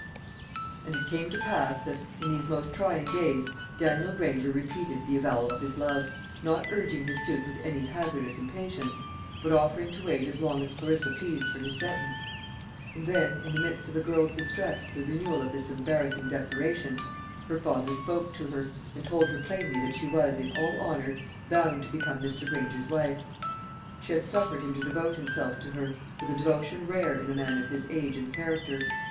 And it came to pass that, in these most trying days, Daniel Granger repeated the avowal of his love, not urging his suit with any hazardous impatience, but offering to wait as long as Clarissa pleased for his sentence. And then, in the midst of the girl's distress at the renewal of this embarrassing declaration, her father spoke to her, and told her plainly that she was, in all honour, bound to become Mr. Granger's wife. She had suffered him to devote himself to her, with a devotion rare in a man of his age and character.